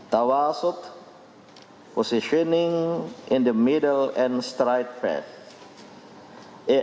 tawasut posisi di tengah dan jalan yang bergantung